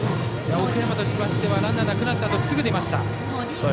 奥山としましてはランナーがいなくなったあとすぐ出ました。